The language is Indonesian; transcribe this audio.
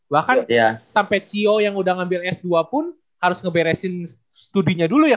bahkan tampecio yang udah ngambil s dua pun harus ngeberesin studinya dulu ya